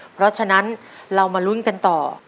เพราะฉะนั้นเรามาลุ้นกันต่อ